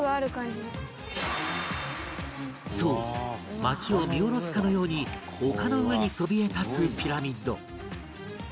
そう街を見下ろすかのように丘の上にそびえ立つピラミッド